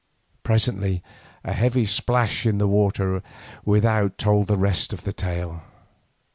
Presently a heavy splash in the water without told the rest of the tale.